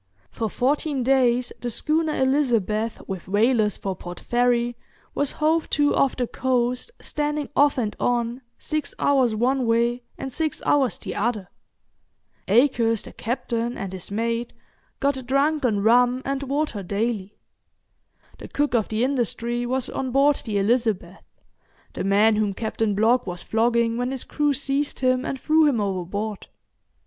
For fourteen days the schooner 'Elizabeth', with whalers for Port Fairy, was hove to off the coast, standing off and on, six hours one way and six hours the other. Akers, the captain, and his mate got drunk on rum and water daily. The cook of the 'Industry' was on board the 'Elizabeth', the man whom Captain Blogg was flogging when his crew seized him and threw him overboard.